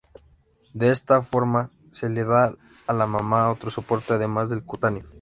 De esta forma, se le da a la mama otro soporte, además del cutáneo.